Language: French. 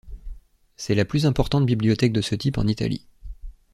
C’est la plus importante bibliothèque de ce type en Italie.